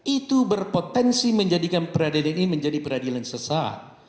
itu berpotensi menjadikan peradilan ini menjadi peradilan sesat